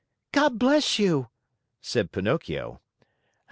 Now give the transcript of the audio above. "God bless you!" said Pinocchio.